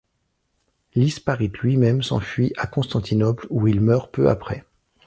Liparit lui-même s'enfuit à Constantinople, où il meurt peu après.